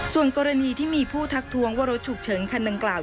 ส่วนกรณีที่มีผู้ทักทวงว่ารถฉุกเฉินคันดังกล่าว